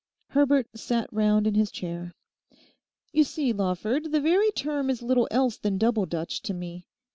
Herbert sat round in his chair. 'You see, Lawford, the very term is little else than Double Dutch to me.